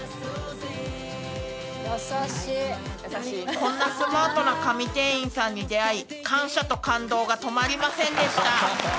［こんなスマートな神店員さんに出会い感謝と感動が止まりませんでした］